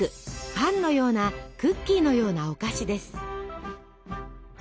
パンのようなクッキーのようなお菓子です。